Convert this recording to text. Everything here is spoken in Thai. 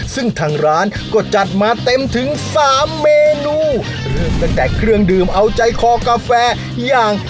ซึ่งทางร้านก็จัดมาเต็มถึงสามเมนูเริ่มตั้งแต่เครื่องดื่มเอาใจคอกาแฟอย่าง